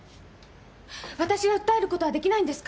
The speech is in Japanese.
わたしが訴えることはできないんですか？